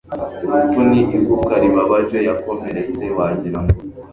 urupfu ni igufwa ribabaje; yakomeretse, wagira ngo